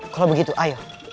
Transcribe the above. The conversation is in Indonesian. kalau begitu ayo